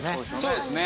そうですね。